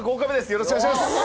よろしくお願いします！